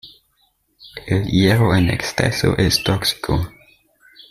El hierro en exceso es tóxico.